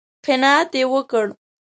_قناعت يې وکړ؟